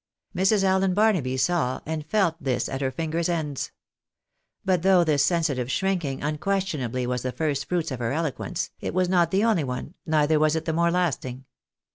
Mrs. AUen Barnaby saw and felt this at her fingers' ends. But though this sensitive shrinking unquestionably was the first fruits of her eloquence, it was not the only one, neither was it the most lasting.